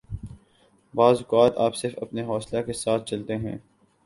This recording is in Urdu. بعض اوقات آپ صرف اپنے حوصلہ کے ساتھ چلتے ہیں